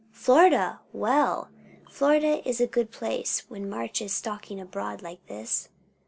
"Florida! Well, Florida is a good place, when March is stalking abroad like this.